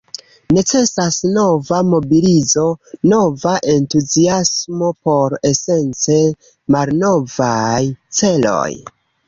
Necesas nova mobilizo, nova entuziasmo por esence malnovaj celoj.